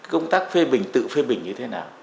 công tác phê bình tự phê bình như thế nào